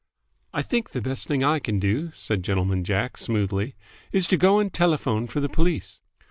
"I think the best thing I can do," said Gentleman Jack smoothly, "is to go and telephone for the police."